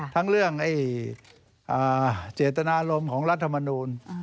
ทั้งเรื่องเจตนารมณ์ของรัฐมนูล